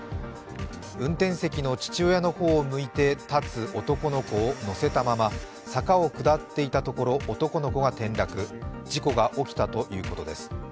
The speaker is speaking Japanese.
運転席の父親の方を向いて立つ男の子を乗せたまま坂を下っていたところ男の子が転落、事故が起きたということです。